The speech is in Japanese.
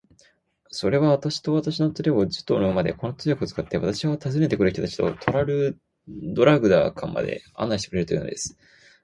それは、私と私の連れを、十頭の馬で、この通訳を使って、私は訪ねて来る人たちとトラルドラグダカまで案内してくれるというのです。